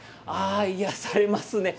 癒やされますね。